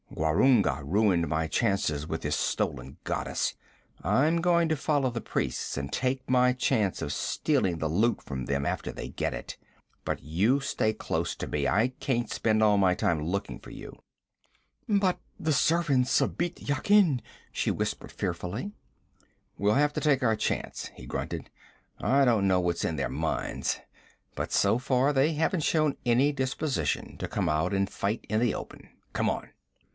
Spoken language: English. Gwarunga ruined my chances with his stolen goddess. I'm going to follow the priests and take my chance of stealing the loot from them after they get it. And you stay close to me. I can't spend all my time looking for you.' 'But the servants of Bît Yakin!' she whispered fearfully. 'We'll have to take our chance,' he grunted. 'I don't know what's in their minds, but so far they haven't shown any disposition to come out and fight in the open. Come on.'